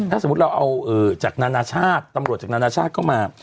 ถ้าสมมุติเราเอาจากนานาชาติตำรวจจากนานาชาติเข้ามา